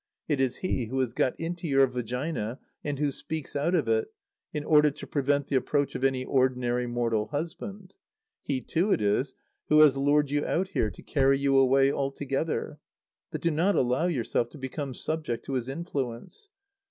It is he who has got into your vagina, and who speaks out of it, in order to prevent the approach of any ordinary mortal husband. He, too, it is who has lured you out here, to carry you away altogether. But do not allow yourself to become subject to his influence.